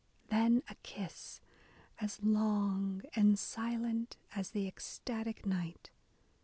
.... Then a kiss As long and silent as the ecstatic night.